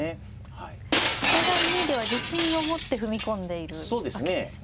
お互いにでは自信を持って踏み込んでいるわけですね。